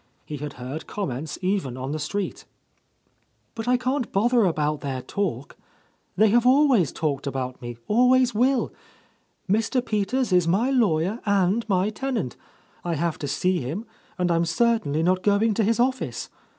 He had heard comments even on the street. "But I can't bother about their talk. They — 153— d Lost Lady have alwi^ tatKed aDout me, always will. Mr. Peters is my ia, wye r and my tenant ; I have to see him, and Pm ^ffainly not gbing to his office.